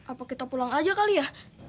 apa kita pulang aja kali ya